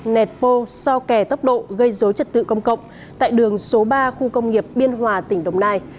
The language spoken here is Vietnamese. nẹt bô so kẻ tốc độ gây dối trật tự công cộng tại đường số ba khu công nghiệp biên hòa tỉnh đồng nai